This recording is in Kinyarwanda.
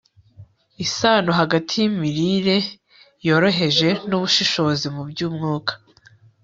isano hagati y'imirire yoroheje n'ubushishozi mu by'umwuka